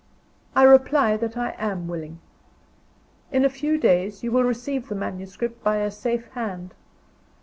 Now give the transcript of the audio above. I reply that I am willing. In a few days, you will receive the manuscript by a safe hand.